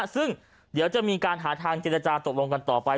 ซึ่งเดี๋ยวจะมีการหาทางเจรจาตกลงกันต่อไป